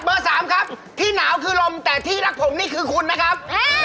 สามครับที่หนาวคือลมแต่ที่รักผมนี่คือคุณนะครับ